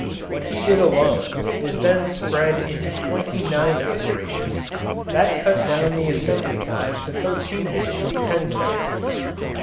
What he did alone was then spread into twenty nine operations; that cut down the assembly time to thirteen minutes, ten seconds.